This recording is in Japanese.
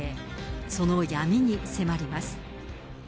その闇に迫ります。